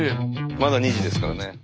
まだ２時ですからね。